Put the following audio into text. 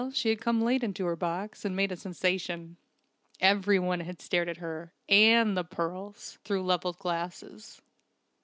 Well, she had come late into her box, and made a sensation. Everyone had stared at her and the pearls through levelled glasses.